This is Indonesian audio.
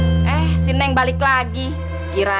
justru saya memang memiliki kebetulan bahwa